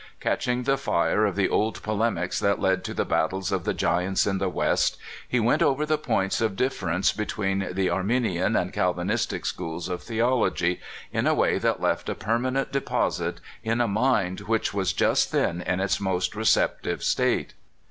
Catching the fire of the old polemics that led to the battles of the giants in the West, he went over the points of difference between the Arminian and Calvinistic schools of theology in a way that left a permanent deposit in a mind which was just then in its most receptive state.